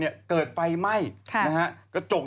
เดี๋ยวเรามีทางฝั่ง